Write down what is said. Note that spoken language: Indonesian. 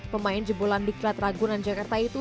pemain jebolan di klat ragunan jakarta itu